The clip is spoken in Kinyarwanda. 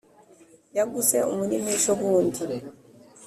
yaguze umurima ejo bundi